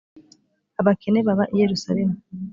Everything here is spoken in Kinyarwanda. abakene baba i yerusalemu.